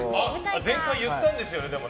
前回言ったんですよね